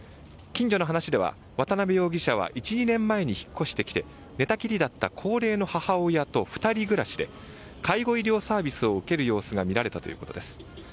近所の話では渡辺容疑者は１２年前に引っ越してきて寝たきりだった高齢の母親と２人暮らしで介護医療サービスを受ける様子が見られたということです。